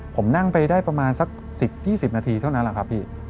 ผมนั่งไปได้ประมาณสัก๑๐๒๐นาทีเท่านั้นแหละครับพี่